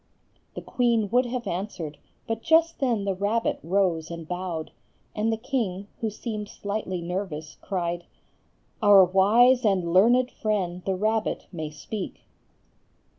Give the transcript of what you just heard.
The queen would have answered, but just then the rabbit rose and bowed, and the king, who seemed slightly nervous, cried,— "Our wise and learned friend the rabbit may speak."